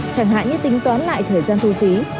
chẳng hạn như tính toán lại thời gian thu phí